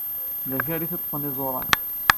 D akal i iteṭṭfen iẓuran.